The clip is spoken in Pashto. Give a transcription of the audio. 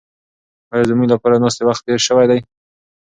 ایا زموږ لپاره د ناستې وخت تېر شوی دی؟